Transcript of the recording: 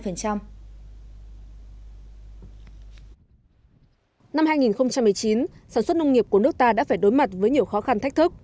năm hai nghìn một mươi chín sản xuất nông nghiệp của nước ta đã phải đối mặt với nhiều khó khăn thách thức